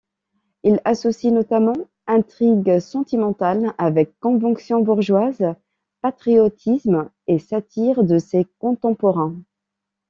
Il associe notamment intrigue sentimentale avec conventions bourgeoises, patriotisme, et satire de ses contemporains.